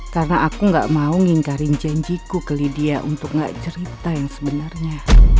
karena aku gak mau ngingkarin janjiku ke lydia untuk gak cerita yang sebenarnya